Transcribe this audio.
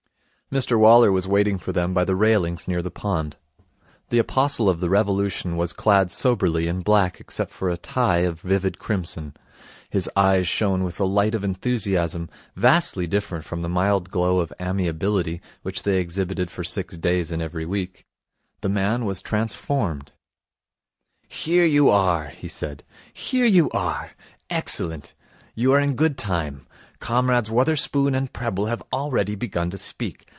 Mr Waller was waiting for them by the railings near the pond. The apostle of the Revolution was clad soberly in black, except for a tie of vivid crimson. His eyes shone with the light of enthusiasm, vastly different from the mild glow of amiability which they exhibited for six days in every week. The man was transformed. 'Here you are,' he said. 'Here you are. Excellent. You are in good time. Comrades Wotherspoon and Prebble have already begun to speak.